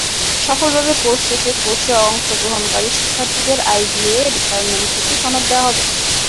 সফলভাবে কোর্স শেষে কোর্সে অংশগ্রহণকারী শিক্ষার্থীদের আইবিএ ডিপার্টমেন্ট থেকে সনদ দেওয়া হবে।